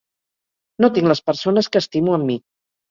No tinc les persones que estimo amb mi.